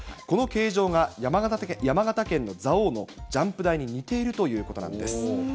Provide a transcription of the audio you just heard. この形状が山形県の蔵王のジャンプ台に似ているということなんです。